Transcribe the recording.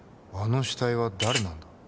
あの死体は誰なんだ？